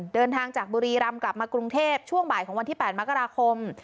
เดินทางจากบุรีรำกลับมากรุงเทพช่วงบ่ายของวันที่๘มกราคม